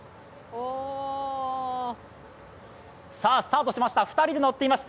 スタートしました２人で乗っています。